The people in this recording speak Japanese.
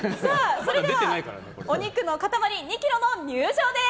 それではお肉の塊２ｋｇの入場です。